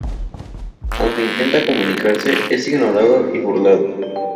Aunque intenta comunicarse, es ignorado y burlado.